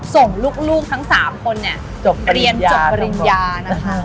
ส่งลูกทั้ง๓คนเนี่ยจบเรียนจบปริญญานะคะ